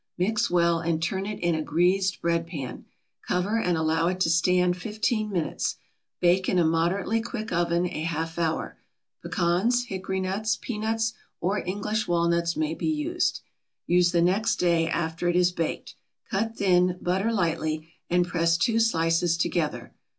Mix well, and turn it in a greased bread pan. Cover, and allow it to stand fifteen minutes. Bake in a moderately quick oven a half hour. Pecans, hickory nuts, peanuts, or English walnuts may be used. Use the next day after it is baked. Cut thin, butter lightly, and press two slices together.